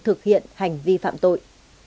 thực hiện hành vi phạm tội